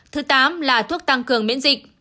thứ tám là thuốc tăng cường miễn dịch